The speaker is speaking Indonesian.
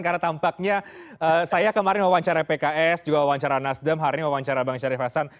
karena tampaknya saya kemarin wawancara pks juga wawancara nasdem hari ini wawancara bang syarif hasan